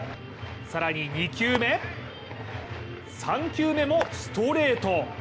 更に２球目、３球目もストレート。